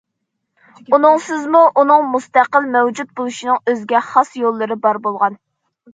ئۇنىڭسىزمۇ ئۇنىڭ مۇستەقىل مەۋجۇت بولۇشىنىڭ ئۆزىگە خاس يوللىرى بار بولغان.